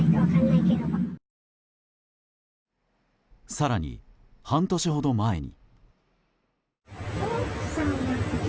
更に、半年ほど前に。